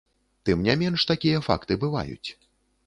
Тым не менш, такія факты бываюць.